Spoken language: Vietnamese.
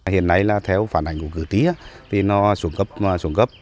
hiện nay là theo phản ảnh của cử tí thì nó xuống cấp xuống cấp